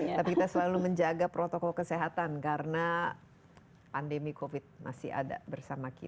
tapi kita selalu menjaga protokol kesehatan karena pandemi covid masih ada bersama kita